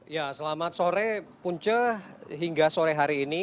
ya selamat sore punca hingga sore hari ini